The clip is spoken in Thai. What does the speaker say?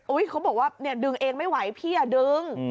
เขาบอกว่าเนี่ยดึงเองไม่ไหวพี่ดึง